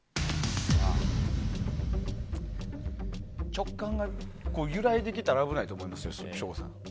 直感が揺らいできたら危ないと思いますよ、省吾さん。